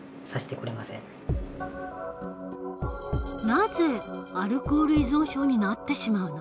なぜアルコール依存症になってしまうのか。